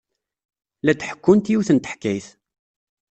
La d-ḥekkunt yiwet n teḥkayt.